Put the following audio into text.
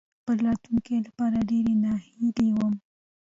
خپل راتلونکې لپاره ډېرې ناهيلې وم.